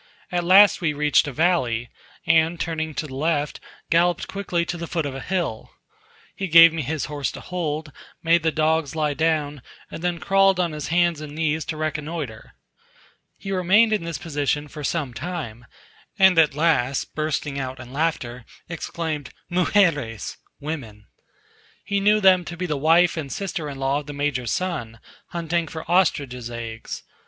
At last we reached a valley, and turning to the left, galloped quickly to the foot of a hill; he gave me his horse to hold, made the dogs lie down, and then crawled on his hands and knees to reconnoitre. He remained in this position for some time, and at last, bursting out in laughter, exclaimed, "Mugeres!" (women!). He knew them to be the wife and sister in law of the major's son, hunting for ostrich's eggs.